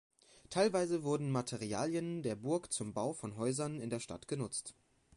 Teilweise wurden Materialien der Burg zum Bau von Häusern in der Stadt genutzt.